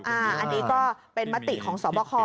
อันนี้ก็เป็นมติของสอบคอ